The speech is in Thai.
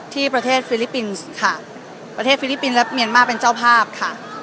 ที่ประเทศฟิลิปปินส์ค่ะประเทศฟิลิปปินส์และเมียนมาร์เป็นเจ้าภาพค่ะ